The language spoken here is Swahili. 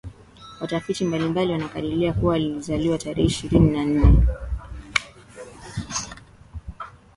watafiti mbalimbali wanakadilia kuwa alizaliwa tarehe ishirini na nne